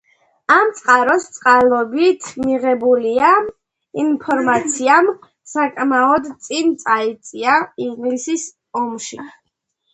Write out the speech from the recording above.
ამ წყაროს წყალობით მიღებულმა ინფორმაციამ საკმაოდ წინ წაწია ინგლისი ომში.